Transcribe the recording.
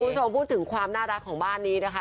คุณผู้ชมพูดถึงความน่ารักของบ้านนี้นะคะ